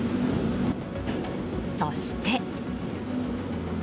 そして。